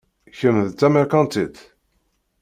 Kemm d tamerkantit?